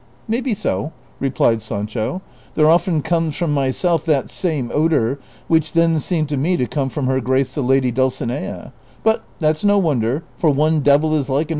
" Maybe so," replied Sancho ;" there often comes from my self that same odor which then seemed to me to come from her grace the lady Dulcinea ; but that 's no wonder, for one devil is like another."